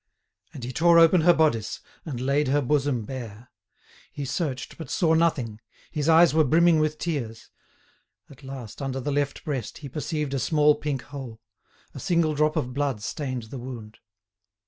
And he tore open her bodice, and laid her bosom bare. He searched, but saw nothing. His eyes were brimming with tears. At last under the left breast he perceived a small pink hole; a single drop of blood stained the wound.